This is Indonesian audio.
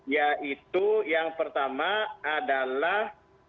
yaitu yang pertama adalah